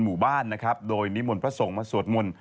หมู่บ้านโดยนิหมุนพระส่งมาสวดมนต์